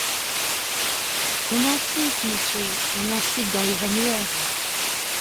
On en cite, monsieur, on en cite dans les annuaires.